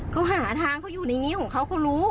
เขาหาทางเขาอยู่ในนิ้วเขาก็รู้